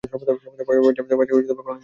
সর্বদাই ভয় হয় পাছে কোনো নিন্দার কারণ ঘটে।